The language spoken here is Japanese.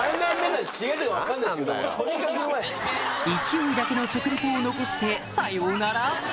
勢いだけの食リポを残してさようなら